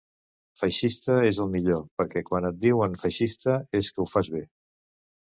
Feixista és el millor, perquè quan et diuen feixista és que ho fas bé.